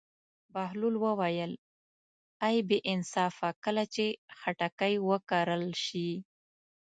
بهلول وویل: ای بې انصافه کله چې خټکی وکرل شي.